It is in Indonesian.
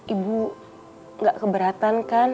ibu enggak keberatan kan